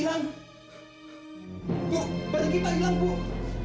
atacmen bagi tangankah